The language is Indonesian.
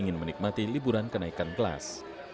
ingin menikmati liburan kenaikan kelas